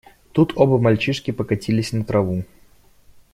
Тут оба мальчишки покатились на траву.